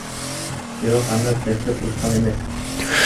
Бирок анда цехти курушкан эмес.